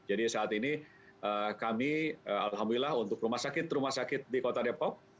saat ini kami alhamdulillah untuk rumah sakit rumah sakit di kota depok